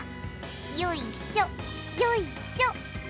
よいしょ、よいしょ。